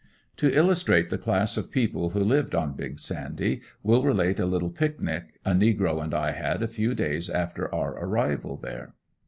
To illustrate the class of people who lived on Big Sandy, will relate a little picnic a negro and I had a few days after our arrival there.